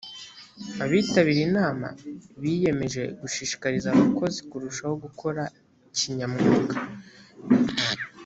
abitabiriye inama biyemeje gushishikariza abakozi kurushaho gukora kinyamwuga